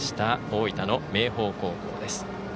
大分の明豊高校です。